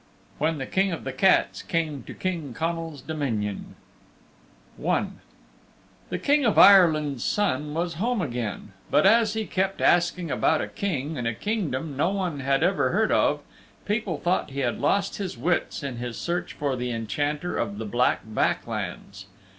WHEN THE KING OF THE CATS CAME TO KING CONNAL'S DOMINION I The King of Ireland's Son was home again, but as he kept asking about a King and a Kingdom no one had ever heard of, people thought he had lost his wits in his search for the Enchanter of the Black Back Lands.